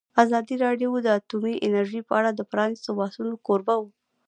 ازادي راډیو د اټومي انرژي په اړه د پرانیستو بحثونو کوربه وه.